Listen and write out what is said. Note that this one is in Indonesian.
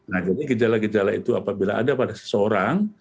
nah jadi gejala gejala itu apabila ada pada seseorang